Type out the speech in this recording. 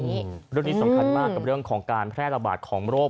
เรื่องนี้สำคัญมากกับเรื่องของการแพร่ระบาดของโรค